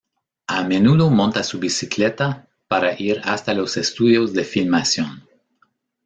A menudo monta su bicicleta para ir hasta los estudios de filmación.